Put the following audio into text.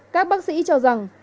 các bác sĩ cho rằng